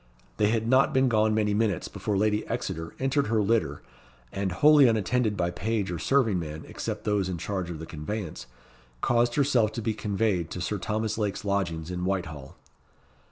They had not been gone many minutes before Lady Exeter entered her litter, and wholly unattended by page or serving man, except those in charge of the conveyance, caused herself to be conveyed to Sir Thomas Lake's lodgings in Whitehall.